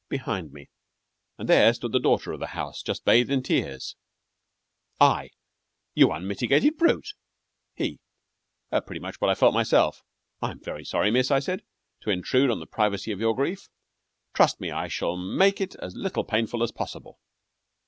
behind me, and there stood the daughter of the house, just bathed in tears I You unmitigated brute! HE Pretty much what I felt myself. "I'm very sorry, miss," I said, "to intrude on the privacy of your grief. Trust me, I shall make it as little painful as possible."